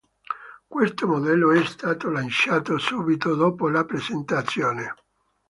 Questo modello è stato lanciato subito dopo la presentazione.